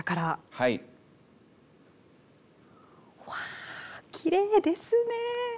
うわきれいですね！